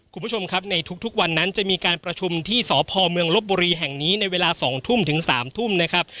คุณผู้ชมครับในทุกวันนั้นจะมีการประชุมที่สพเมืองลบบุรีแห่งนี้ในเวลา๒ทุ่มถึง๓ทุ่มนะครับ